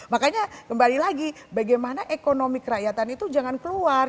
makanya kembali lagi bagaimana ekonomi kerakyatan itu jangan keluar